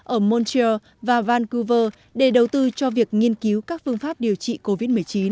ở montreal và vancouver để đầu tư cho việc nghiên cứu các phương pháp điều trị covid một mươi chín